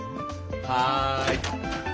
はい。